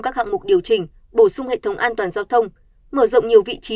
các hạng mục điều chỉnh bổ sung hệ thống an toàn giao thông mở rộng nhiều vị trí